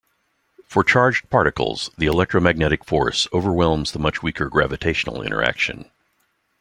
For charged particles, the electromagnetic force overwhelms the much weaker gravitational interaction.